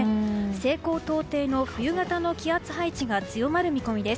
西高東低の冬型の気圧配置が強まる見込みです。